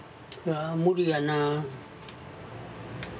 無理やな。